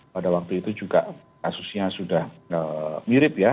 pada waktu itu juga kasusnya sudah mirip ya